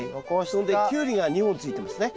それでキュウリが２本ついてますね。